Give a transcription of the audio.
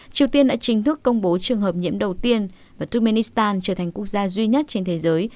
triều tiên đã chính thức công bố trường hợp nhiễm đầu tiên và turkmenistan trở thành quốc gia duy nhất trên thế giới